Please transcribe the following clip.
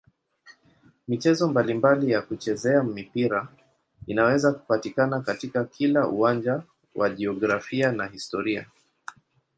Michezo mbalimbali ya kuchezea mpira inaweza kupatikana katika kila uwanja wa jiografia na historia.